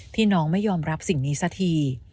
น้องไม่ยอมรับสิ่งนี้สักที